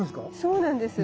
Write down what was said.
そうなんですよ。